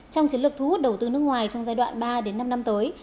trong chiến lược thu hút đầu tư nước ngoài trong giai đoạn ba năm năm tới